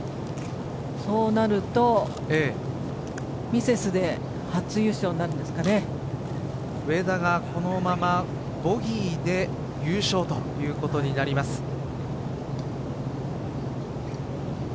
そうなるとミセスで上田がこのままボギーで優勝ということになります。